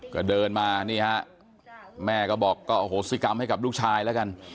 ก็เดินมานี่ฮะแม่ก็บอกก็อโหสิกรรมให้กับลูกชายแล้วกัน